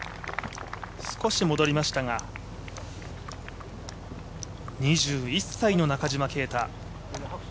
少し戻りましたが２１歳の中島啓太。